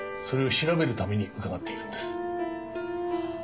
それを調べるために伺っているんです。